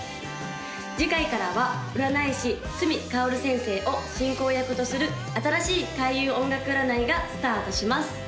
次回からは占い師角かおる先生を進行役とする新しい開運音楽占いがスタートします